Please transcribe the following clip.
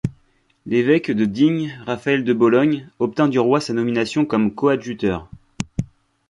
L’évêque de Digne, Raphaël de Bologne, obtint du roi sa nomination comme coadjuteur.